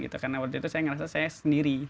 karena waktu itu saya merasa saya sendiri